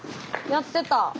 やってた！